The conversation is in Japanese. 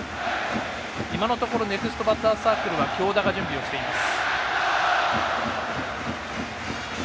今のところネクストバッターズサークルは京田が準備をしています。